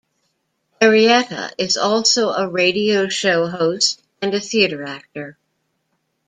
Arrieta is also a radio show host and a theater actor.